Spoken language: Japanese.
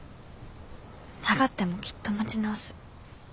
下がってもきっと持ち直す。